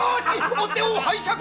お手を拝借！